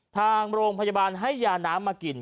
ทางโรงพยาบาลให้ยาน้ำมากิน